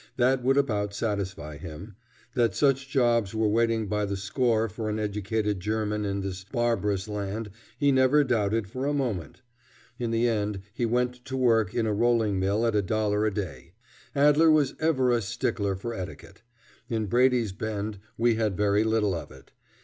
That would about satisfy him. That such jobs were waiting by the score for an educated German in this barbarous land he never doubted for a moment. In the end he went to work in a rolling mill at a dollar a day. Adler was ever a stickler for etiquette. In Brady's Bend we had very little of it.